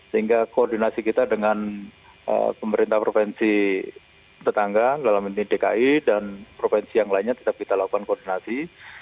sehingga koordinasi kita dengan pemerintah provinsi tetangga dalam ini dki dan provinsi yang lainnya tetap kita lakukan koordinasi